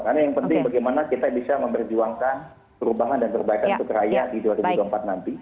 karena yang penting bagaimana kita bisa memperjuangkan perubahan dan kebaikan untuk rakyat di dua ribu dua puluh empat nanti